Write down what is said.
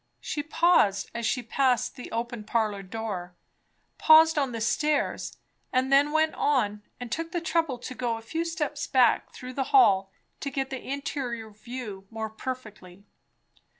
She paused as she passed the open parlour door, paused on the stairs, and then went on and took the trouble to go a few steps back through the hall to get the interior view more perfectly.